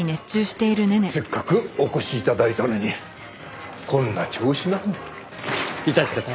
せっかくお越し頂いたのにこんな調子なんで。